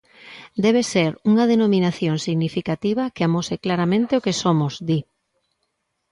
"Debe ser unha denominación significativa que amose claramente o que somos", di.